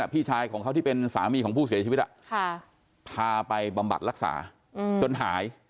พี่ชายของเขาที่เป็นสามีของผู้เสียชีวิตพาไปบำบัดรักษาจนหาย